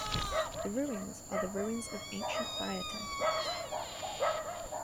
The ruins are the ruins of ancient fire temples.